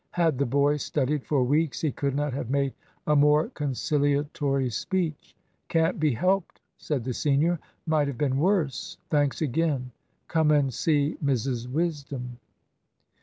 Had the boy studied for weeks he could not have made a more conciliatory speech. "Can't be helped," said the senior. "Might have been worse. Thanks again. Come and see Mrs Wisdom."